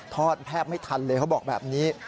ทอดแพบไม่ทันเลยเค้าบอกแบบนี้